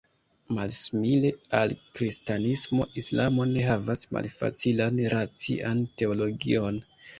Malsimile al kristanismo, islamo ne havas malfacilan racian teologion.